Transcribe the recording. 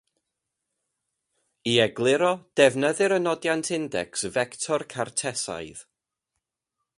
I egluro, defnyddir y nodiant indecs fector Cartesaidd.